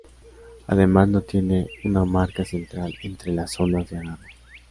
Además, no tiene una marca central entre las zonas de agarre.